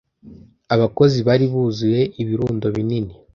Abakozi bari buzuye ibirundo binini